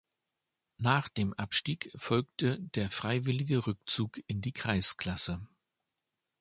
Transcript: Nach dem Abstieg folgte der freiwillige Rückzug in die Kreisklasse.